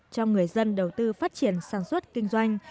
cho người dân đầu tư phát triển sản xuất kinh doanh